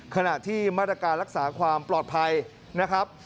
ขณะที่มาตรการรักษาความปลอดภัยนะครับ